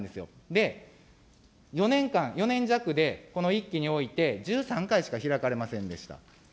で、４年間、４年弱で、この１期において、１３回しかひらかれませんでした。